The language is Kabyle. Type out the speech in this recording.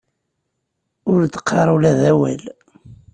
Ur d-qqar ula d awal.